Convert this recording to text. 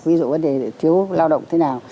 ví dụ vấn đề thiếu lao động thế nào